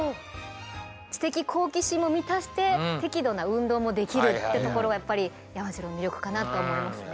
知的好奇心も満たして適度な運動もできるってところがやっぱり山城の魅力かなと思いますね。